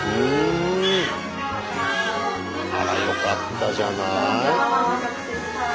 あらよかったじゃない。